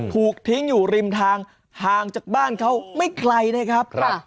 ถูกทิ้งอยู่ริมทางห่างจากบ้านเขาไม่ไกลนะครับ